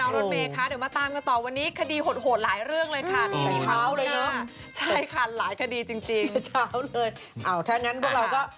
โอ้โฮโอ้โฮโอ้โฮโอ้โฮโอ้โฮโอ้โฮโอ้โฮโอ้โฮโอ้โฮโอ้โฮโอ้โฮโอ้โฮโอ้โฮโอ้โฮโอ้โฮโอ้โฮโอ้โฮโอ้โฮโอ้โฮโอ้โฮโอ้โฮโอ้โฮโอ้โฮโอ้โฮโอ้โฮโอ้โฮโอ้โฮโอ้โฮโอ้โฮโอ้โฮโอ้โฮโอ้โฮ